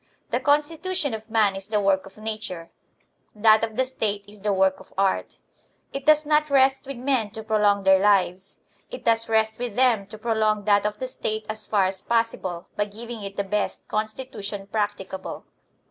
The constitution of man is the work of nature; that of the State is the work of art. It does not rest with men to prolong their lives; it does rest with them to prolong that of the State as far as possible, by giving it the best constitution practicable.